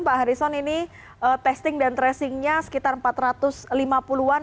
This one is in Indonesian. pak harisson ini testing dan tracing nya sekitar empat ratus lima puluh an